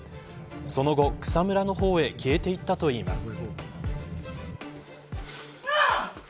その後、草むらの方へ消えていったといいます。